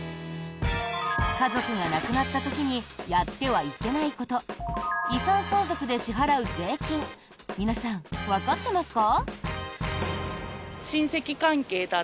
家族が亡くなった時にやってはいけないこと遺産相続で支払う税金皆さん、わかってますか？